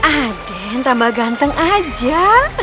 aden tambah ganteng aja